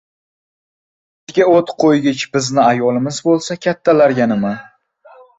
O‘ziga o‘t qo‘ygich bizni ayolimiz bo‘lsa — kattalarga nima?